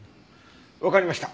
わかりました。